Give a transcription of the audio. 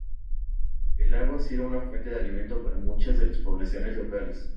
El lago ha sido una fuente de alimento para muchas de las poblaciones locales.